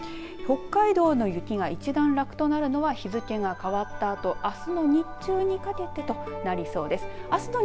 北海道の雪が一段落となるのは日付が変わったあと、あすの日中にかけてとなりそうです。